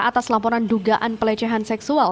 atas laporan dugaan pelecehan seksual